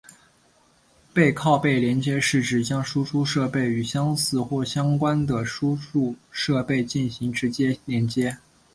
背靠背连接是指将输出设备与相似或相关的输入设备进行直接连接。